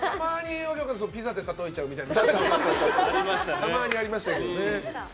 ピザで例えちゃうとかたまにありましたけどね。